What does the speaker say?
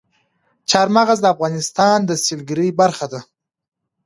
چار مغز د افغانستان د سیلګرۍ برخه ده.